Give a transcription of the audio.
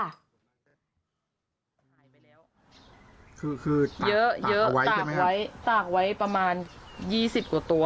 คือตากเอาไว้ใช่ไหมครับเยอะตากไว้ประมาณ๒๐กว่าตัว